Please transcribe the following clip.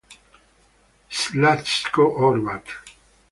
Zlatko Horvat